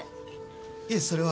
いえそれは。